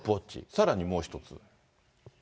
さらにもう一つ。